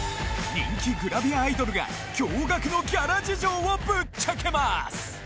人気グラビアアイドルが驚愕のギャラ事情をぶっちゃけます！